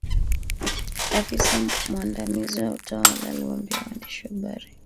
afisa mwandamizi wa utawala aliwaambia waandishi wa habari